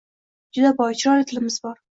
Juda boy, chiroyli tilimiz bor.